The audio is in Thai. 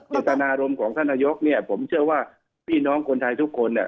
จิตนารมณ์ของท่านนายกผมเชื่อว่าพี่น้องคนไทยทุกคน